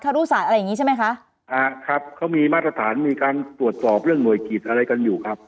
รุศาสตร์อะไรอย่างงี้ใช่ไหมคะอ่าครับเขามีมาตรฐานมีการตรวจสอบเรื่องหน่วยกิจอะไรกันอยู่ครับ